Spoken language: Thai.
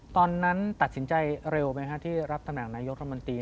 ตอนนั้นตัดสินใจเร็วไหมฮะที่รับตำแหน่งนายกรัฐมนตรี